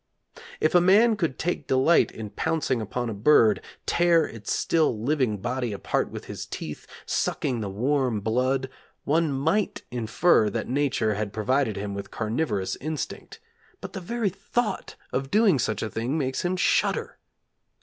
If a man could take delight in pouncing upon a bird, tear its still living body apart with his teeth, sucking the warm blood, one might infer that Nature had provided him with carnivorous instinct, but the very thought of doing such a thing makes him shudder.